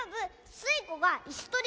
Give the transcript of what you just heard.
スイ子はいすとり